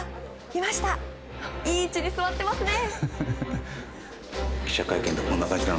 いい位置に座っていますね。